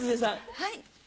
はい。